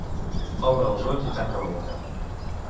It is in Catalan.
Obre els ulls i tanca la boca.